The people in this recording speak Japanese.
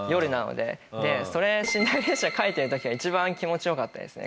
でそれ寝台列車書いてる時が一番気持ち良かったですね。